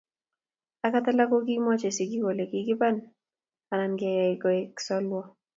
Agot alak ko kimwoch sigik kole kikiban anan keyai koek solwo